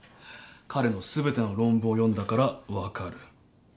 彼の全ての論文を読んだから分かる。